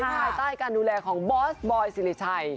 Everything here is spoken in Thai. ภายใต้การดูแลของบอสบอยสิริชัย